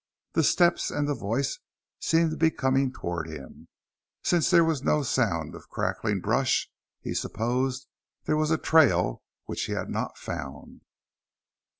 The steps and the voice seemed coming toward him; since there was no sound of crackling brush, he supposed there was a trail which he had not found.